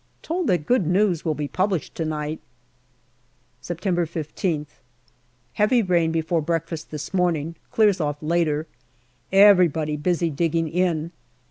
Told that good news will be published to night. September I5th. Heavy rain before breakfast this morning. Clears off later. Everybody busy digging in.